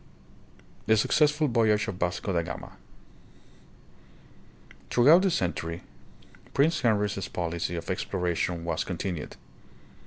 The Succ ssful Voyage of Vasco da Gama. Through out the century Prince Henry's policy of exploration was continued.